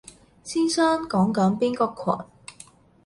先生講緊邊個群？